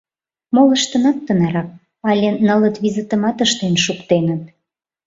Молыштынат тынарак але нылыт-визытымат ыштен шуктеныт.